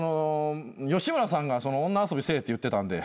吉村さんが女遊びせえって言ってたんで。